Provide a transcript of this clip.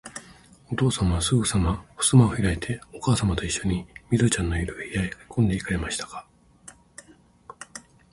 おとうさまは、すぐさまふすまをひらいて、おかあさまといっしょに、緑ちゃんのいる、部屋へかけこんで行かれましたが、